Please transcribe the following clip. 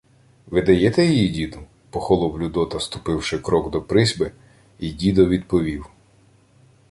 — Видаєте її, діду? — похолов Людота, ступивши крок до присьпи, й дідо відповів: